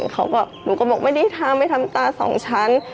เขาก็หนูก็บอกไม่ได้ทำไม่ทำตาสองชั้น